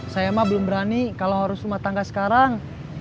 saya mah belum berani kalau harus rumah tangga sekarang